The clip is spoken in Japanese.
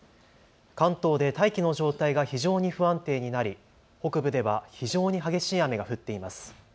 関東で大気の状態が非常に不安定になり北部では非常に激しい雨が降っています。